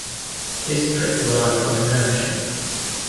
This trick relies on inertia.